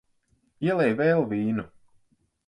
Ielej vēl vīnu.